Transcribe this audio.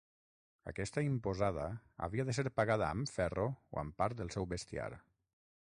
Aquesta imposada havia de ser pagada amb ferro o amb part del seu bestiar.